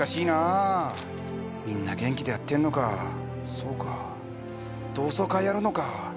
そうか同窓会やるのかあ。